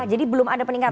jadi belum ada peningkatan